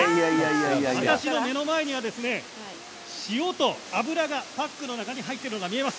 私の目の前には塩と油がパックの中に入っているのが見えます。